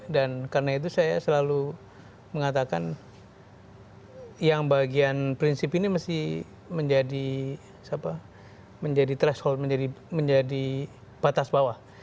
dan karena itu saya selalu mengatakan yang bagian prinsip ini mesti menjadi siapa menjadi threshold menjadi batas bawah